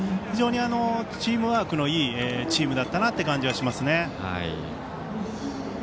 非常にチームワークのいいチームだったという感じがします。